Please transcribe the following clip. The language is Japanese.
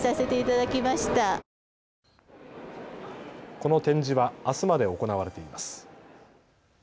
この展示はあすまで行われています。